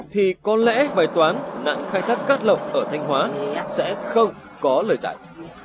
thì có lẽ bài toán nạn khai thác cát lậu ở thanh hóa sẽ không có lời giải